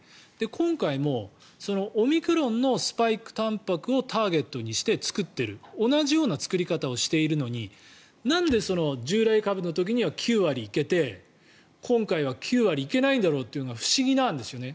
今回もそのオミクロンのスパイクたんぱくをターゲットにして作っている同じような作り方をしているのになんで従来株の時は９割行けて今回は９割行けないんだろうというのが不思議なんですよね。